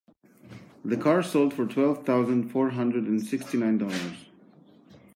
The car sold for twelve thousand four hundred and sixty nine dollars.